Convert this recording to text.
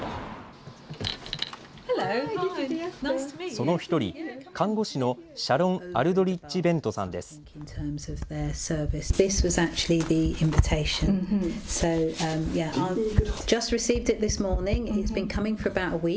その１人、看護師のシャロン・アルドリッジベントさんです。